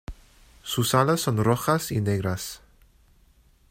Sus alas son rojas y negras.